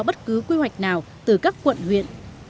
bất cứ quy hoạch nào từ các quận huyện